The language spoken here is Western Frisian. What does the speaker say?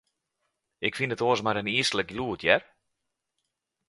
Ik fyn it oars mar in yslik gelûd, hear.